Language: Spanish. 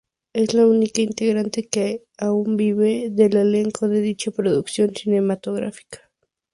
Es la única integrante que aún vive del elenco de dicha producción cinematográfica.